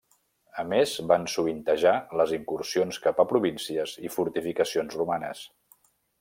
A més, van sovintejar les incursions cap a províncies i fortificacions romanes.